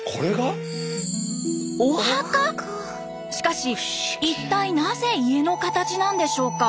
しかし一体なぜ家の形なんでしょうか？